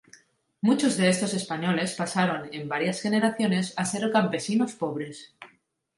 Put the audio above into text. Muchos de estos españoles pasaron, en varias generaciones, a ser campesinos pobres.